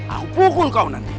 aku pukul kau nanti